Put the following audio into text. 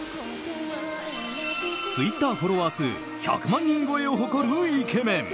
ツイッターフォロワー数１００万人超えを誇るイケメン。